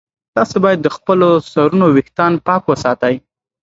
تاسي باید د خپلو سرونو ویښتان پاک وساتئ.